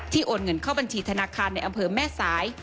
โอนเงินเข้าบัญชีธนาคารในอำเภอแม่สาย